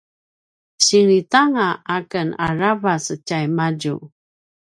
singlitanga aken aravac tjaimadju